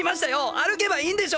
歩けばいいんでしょ。